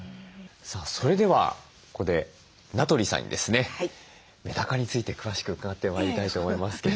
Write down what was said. それではここで名取さんにですねメダカについて詳しく伺ってまいりたいと思いますけれども。